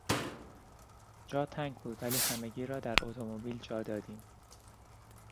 جا تنگ بود ولی همگی را در اتومبیل جا دادیم.